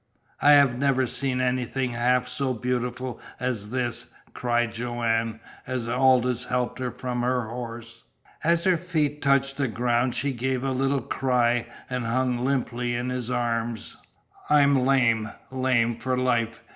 "I have never seen anything a half so beautiful as this!" cried Joanne, as Aldous helped her from her horse. As her feet touched the ground she gave a little cry and hung limply in his arms. "I'm lame lame for life!"